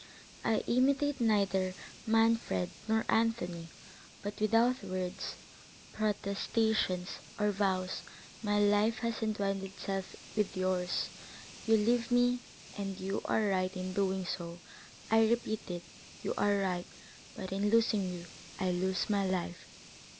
I imitate neither Manfred nor Anthony; but without words, protestations, or vows, my life has entwined itself with yours; you leave me, and you are right in doing so,—I repeat it, you are right; but in losing you, I lose my life.